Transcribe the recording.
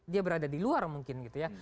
dia berada di luar mungkin gitu ya